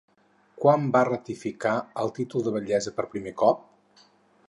Quan va ratificar el títol de batllessa per primer cop?